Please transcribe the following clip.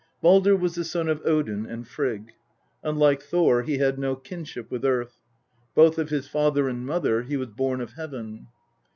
Baldr was the son of Odin and Frigg. Unlike Thor, he had no kinship with earth ; both of his father and mother, he was born of heaven.